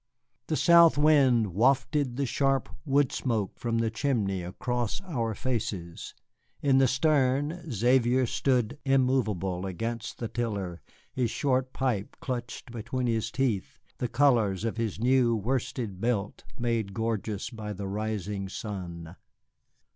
The south wind wafted the sharp wood smoke from the chimney across our faces. In the stern Xavier stood immovable against the tiller, his short pipe clutched between his teeth, the colors of his new worsted belt made gorgeous by the rising sun.